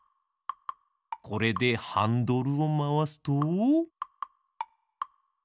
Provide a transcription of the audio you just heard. これでハンドルをまわすと。